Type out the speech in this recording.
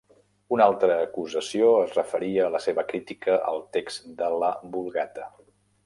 Una altra acusació es referia a la seva crítica al text de la Vulgata.